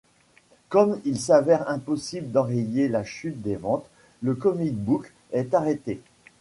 Comme il s'avère impossible d'enrayer la chute des ventes, le comic book est arrêté.